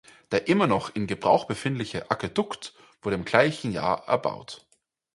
Der immer noch in Gebrauch befindliche Aquädukt wurde im gleichen Jahr erbaut.